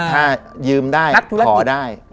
ถ้ายืมได้ขอได้